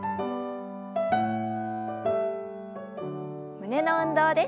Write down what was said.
胸の運動です。